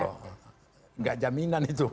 enggak jaminan itu